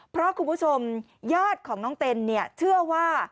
เพราะคุณผู้ชมญาติของน้องเต็นเนี่ยเชื่อว่า